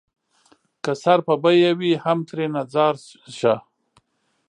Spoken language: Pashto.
که سر په بيه وي هم ترېنه ځار شــــــــــــــــــه